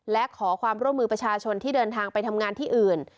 และขอความร่วมมือประชาชนที่เดินทางไปทำงานที่อื่น